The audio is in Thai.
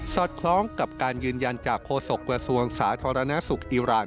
อดคล้องกับการยืนยันจากโฆษกระทรวงสาธารณสุขอีราน